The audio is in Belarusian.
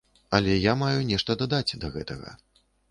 Але я маю нешта дадаць да гэтага.